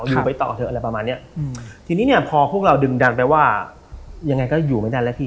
อยู่ไปต่อเถอะอะไรประมาณเนี้ยอืมทีนี้เนี่ยพอพวกเราดึงดันไปว่ายังไงก็อยู่ไม่ทันแล้วพี่